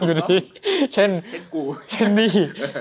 เช่นเนี่ยเช่นแม่เราก็พี่สาว